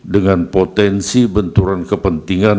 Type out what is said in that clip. dengan potensi benturan kepentingan